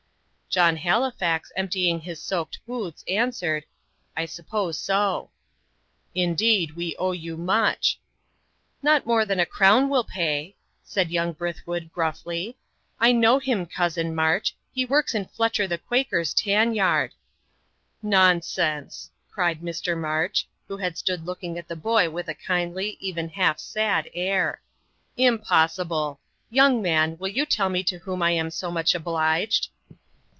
John Halifax, emptying his soaked boots, answered, "I suppose so." "Indeed, we owe you much." "Not more than a crown will pay," said young Brithwood, gruffly; "I know him, Cousin March. He works in Fletcher the Quaker's tan yard." "Nonsense!" cried Mr. March, who had stood looking at the boy with a kindly, even half sad air. "Impossible! Young man, will you tell me to whom I am so much obliged?"